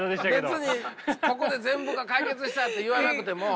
別にここで全部が解決したって言わなくても。